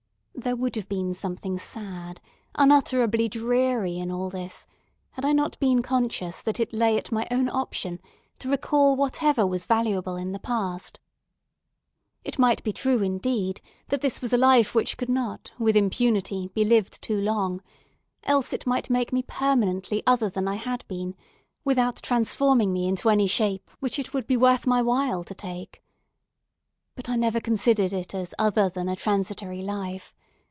There would have been something sad, unutterably dreary, in all this, had I not been conscious that it lay at my own option to recall whatever was valuable in the past. It might be true, indeed, that this was a life which could not, with impunity, be lived too long; else, it might make me permanently other than I had been, without transforming me into any shape which it would be worth my while to take. But I never considered it as other than a transitory life.